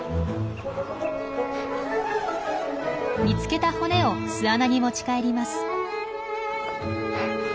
見つけた骨を巣穴に持ち帰ります。